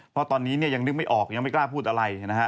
เพราะตอนนี้เนี่ยยังนึกไม่ออกยังไม่กล้าพูดอะไรนะฮะ